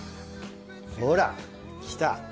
ほらきた。